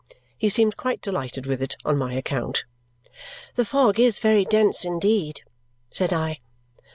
He seemed quite delighted with it on my account. "The fog is very dense indeed!" said I.